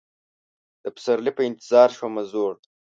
د پسرلي په انتظار شومه زوړ